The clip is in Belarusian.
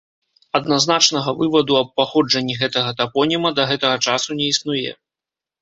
Адназначнага вываду аб паходжанні гэтага тапоніма да гэтага часу не існуе.